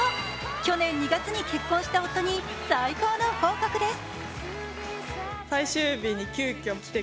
去年２月に結婚した夫に最高の報告です。